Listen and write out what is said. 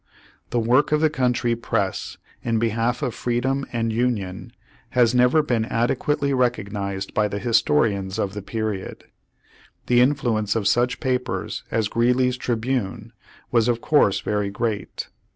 The work of the country press in behalf of freedom and union, has never been adequately recognized by the historians of the period. The influence of such papers as Greeley's Tribune was of course very great.